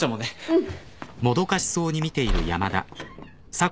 うん。